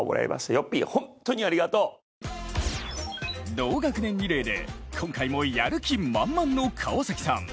同学年リレーで今回もやる気満々の川崎さん。